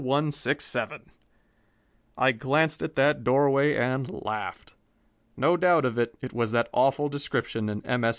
I glanced at that doorway and laughed. No doubt of it, it was that awful description in M. S.'